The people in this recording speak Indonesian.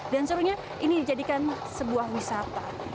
dan serunya ini dijadikan sebuah wisata